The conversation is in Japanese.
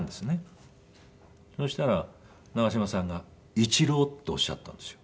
そしたら長嶋さんが「イチロー」っておっしゃったんですよ。